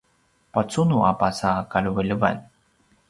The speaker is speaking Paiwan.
pacunu a pasa kalevelevan